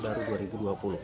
baru dua ribu dua puluh